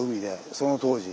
その当時。